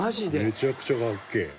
めちゃくちゃかっけえ！